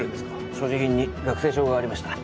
所持品に学生証がありました。